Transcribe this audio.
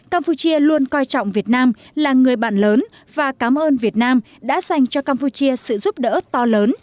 campuchia luôn coi trọng việt nam là người bạn lớn và cảm ơn việt nam đã dành cho campuchia sự giúp đỡ to lớn